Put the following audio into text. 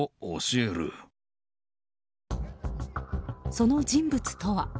その人物とは。